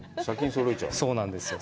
そうなんですよ。